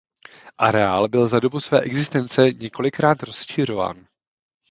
Areál byl za dobu své existence několikrát rozšiřován.